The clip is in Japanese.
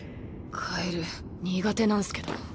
カエル苦手なんすけど。